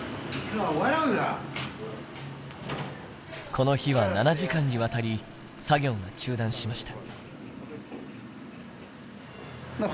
この日は７時間にわたり作業が中断しました。